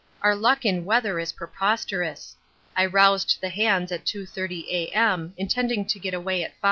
Our luck in weather is preposterous. I roused the hands at 2.30 A.M., intending to get away at 5.